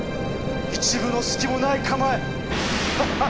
一分の隙もない構え！